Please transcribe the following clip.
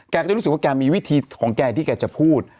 แกก็จะรู้สึกว่าแกมีวิธีของแกที่แกจะพูด